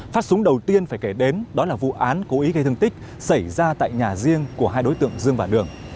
phát súng đầu tiên phải kể đến đó là vụ án cố ý gây thương tích xảy ra tại nhà riêng của hai đối tượng dương và đường